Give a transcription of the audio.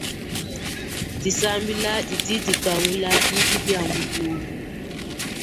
Disambila didi dikangula bibi bia mudiulu.